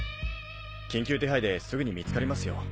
緊急手配ですぐに見つかりますよ。